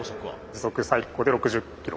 時速最高で６０キロ。